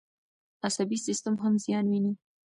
عصبي سیستم هم زیان ویني.